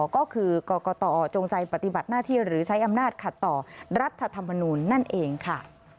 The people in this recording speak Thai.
ก็คือกรกตจงใจปฏิบัติหน้าที่หรือใช้อำนาจขัดต่อรัฐธรรมนูลนั่นเองค่ะ